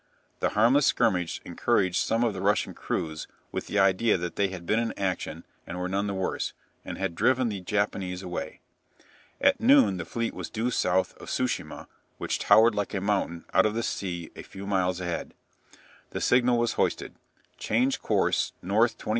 The harmless skirmish encouraged some of the Russian crews with the idea that they had been in action and were none the worse, and had driven the Japanese away. At noon the fleet was due south of Tsu shima, which towered like a mountain out of the sea a few miles ahead. The signal was hoisted, "Change course N.23°E.